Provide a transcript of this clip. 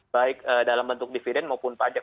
baik dalam bentuk dividen maupun pajak